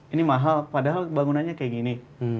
ini mahal padahal bangunannya kayak gini